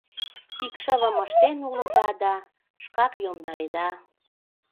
Икшывым ыштен улыда да шкак йомдареда...